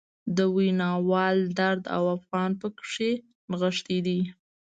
د ویناوال درد او فعان پکې نغښتی دی.